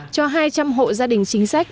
cho hai trăm linh hộ gia đình chính sách